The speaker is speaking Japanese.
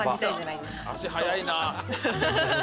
足早いな。